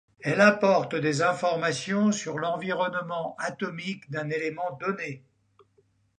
Elle apporte des informations sur l'environnement atomique d'un élément donné.